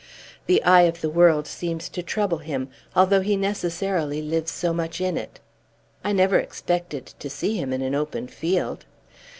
The eye of the world seems to trouble him, although he necessarily lives so much in it. I never expected to see him in an open field."